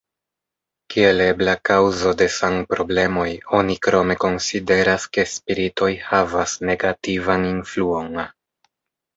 Kiel ebla kaŭzo de sanproblemoj oni krome konsideras ke spiritoj havas negativan influon.